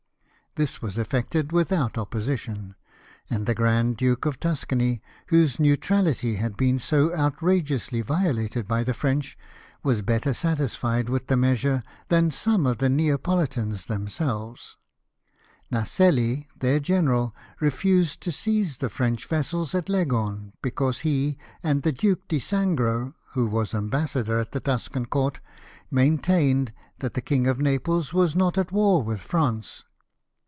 This was effected without opposition; and the Grand Duke of Tus cany, whose neutrahty had been so outrageously vio lated by the French, was better satisfied with the measure than some of the Neapolitans themselves, Naselli, their general, refused to seize the French vessels at Leghorn, because he and the Duke di Sangro, who was ambassador at the Tuscan Court, mamtained that the King of Naples was not at war with France.